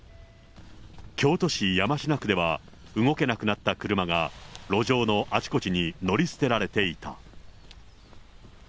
京都市山科区では、動けなくなった車が路上のあちこちに乗り捨てられていた。